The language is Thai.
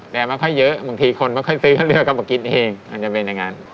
แต่ไม่ค่อยเยอะบางทีคนไม่ค่อยซื้อเค้าเลือกกับกินเองมันจะเป็นอย่างนั้น